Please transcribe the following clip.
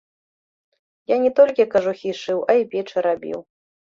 Я не толькі кажухі шыў, а і печы рабіў.